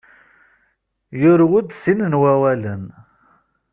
Yurew-d sin n wawalen.